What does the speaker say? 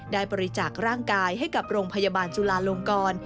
ได้บริจาคร่างกายให้กับโรงพยาบาลจุลาลงกร